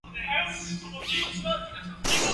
大家相安冇事咪好囉